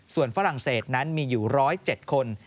ส่วนฝรั่งเศสนั้นมีอยู่๑๐๗คน